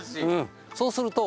そうすると。